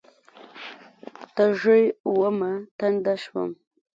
تږې ومه، تنده شوم